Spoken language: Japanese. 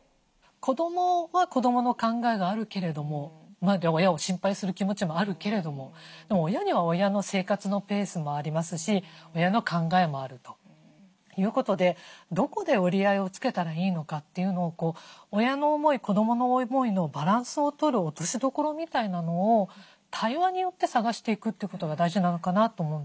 子どもは子どもの考えがあるけれども親を心配する気持ちもあるけれども親には親の生活のペースもありますし親の考えもあるということでどこで折り合いをつけたらいいのかというのを親の思い子どもの思いのバランスを取る落としどころみたいなのを対話によって探していくってことが大事なのかなと思うんですね。